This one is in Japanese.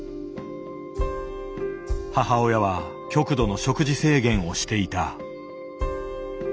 母親は極度の食事制限をしていた。